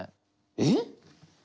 えっ？